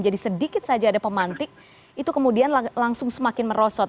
jadi sedikit saja ada pemantik itu kemudian langsung semakin merosot